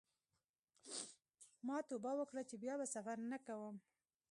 ما توبه وکړه چې بیا به سفر نه کوم.